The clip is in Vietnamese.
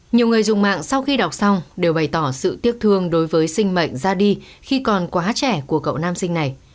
nhiều người dùng mạng sau khi đọc xong đều bày tỏ sự tiếc thương đối với sinh mệnh ra đi khi còn quá trẻ của cậu nam sinh này